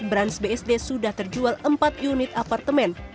branch bsd sudah terjual empat unit apartemen